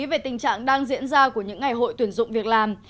về tình trạng đang diễn ra của những ngày hội tuyển dụng việc làm